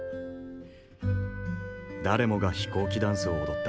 誰もが飛行機ダンスを踊った。